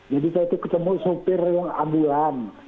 jadi saya itu ketemu sopir yang ambulan